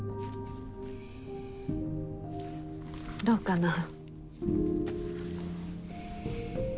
どうかな？